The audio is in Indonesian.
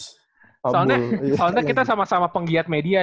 soalnya kita sama sama penggiat media